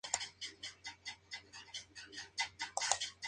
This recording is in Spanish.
Es sobrino del director George Roy Hill.